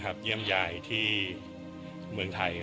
อย่างเยี่ยมมาเนิ่มใจที่เมืองไทยล่ะ